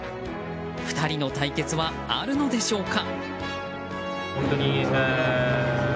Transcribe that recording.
２人の対決はあるのでしょうか。